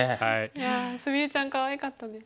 いや菫ちゃんかわいかったです。